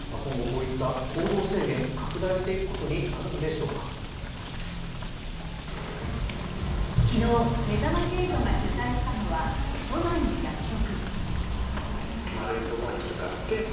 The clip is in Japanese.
今後、こういった行動制限拡大していくことに昨日めざまし８が取材したのは都内の薬局。